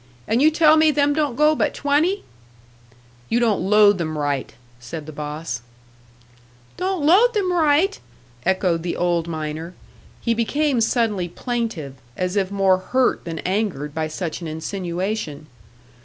And you tell me them don't go but twenty?" "You don't load them right," said the boss. "Don't load them right?" echoed the old miner; he became suddenly plaintive, as if more hurt than angered by such an insinuation.